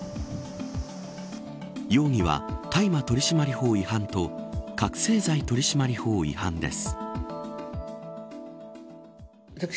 容疑は、大麻取締法違反と覚せい剤取締法違反です。